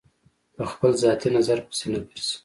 په خپل ذاتي نظر پسې نه ګرځي.